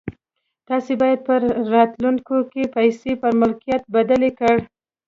تاسې بايد په راتلونکي کې پيسې پر ملکيت بدلې کړئ.